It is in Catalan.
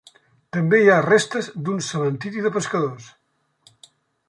També hi ha restes d'un cementiri de pescadors.